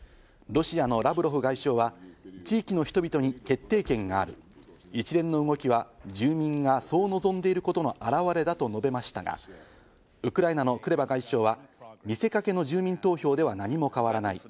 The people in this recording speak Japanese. ロシアのラブロフ外相は地域の人々に決定権がある、一連の動きは住民がそう望んでいることの表れだと述べましたが、ウクライナのクレバ外相は見せかけの住民投票では何も変わらない。